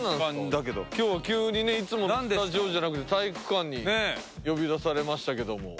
きょうは急にいつものスタジオじゃなくて体育館に呼び出されましたけど。